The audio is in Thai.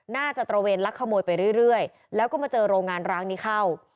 ตระเวนลักขโมยไปเรื่อยแล้วก็มาเจอโรงงานร้างนี้เข้า